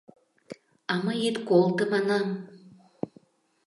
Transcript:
— А мый ит колто, манам!